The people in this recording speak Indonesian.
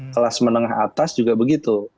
kelas menengah atas juga begitu